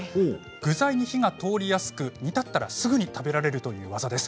具材に火が通りやすく煮立ったらすぐに食べられる技です。